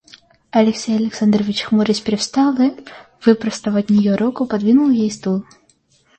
Алексей Александрович хмурясь привстал и, выпростав от нее руку, подвинул ей стул.